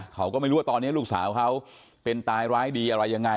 เขาก็ไม่รู้ว่าตอนนี้ลูกสาวเขาเป็นตายร้ายดีอะไรยังไง